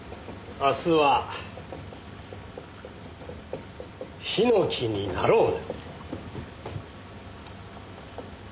「明日は石油になろう」だ。